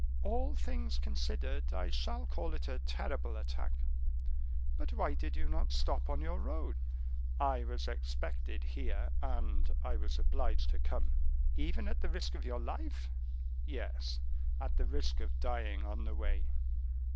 "All things considered, I shall call it a terrible attack. But why did you not stop on your road?" "I was expected here, and I was obliged to come." "Even at the risk of your life?" "Yes, at the risk of dying on the way."